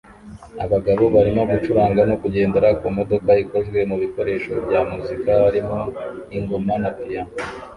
abagabo barimo gucuranga no kugendera kumodoka ikozwe mubikoresho bya muzika harimo ingoma na piyano